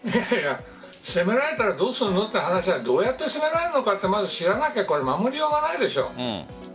攻められたらどうするのという話はどうやって攻められるのかというのを知らなければ守りようがないでしょう。